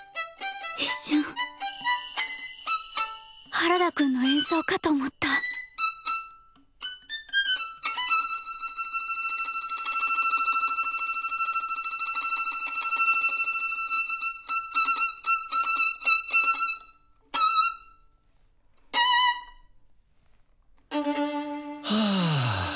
一瞬原田くんの演奏かと思ったはぁ。